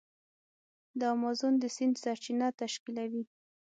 د امازون د سیند سرچینه تشکیلوي.